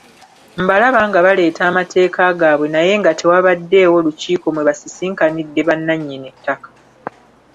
Mbalaba nga baleeta amateeka gaabwe naye nga tewabaddeewo lukiiko mwe basisinkanidde bannannyini ttaka.